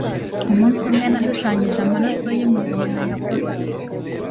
umunsi umwe, nashushanyije amaraso ye, mugihe nayakoze